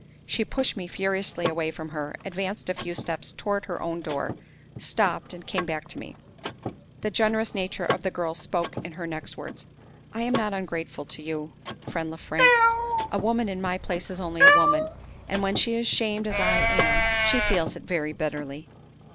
She pushed me furiously away from her; advanced a few steps toward her own door; stopped, and came back to me. The generous nature of the girl spoke in her next words. "I am not ungrateful to you, friend Lefrank. A woman in my place is only a woman; and, when she is shamed as I am, she feels it very bitterly.